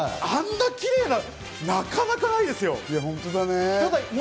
あんなキレイな、なかなかないですよ。